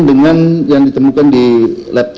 jadi entah bisa dijurunkan kedalam input